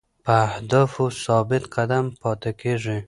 په اهدافو ثابت قدم پاتې شئ.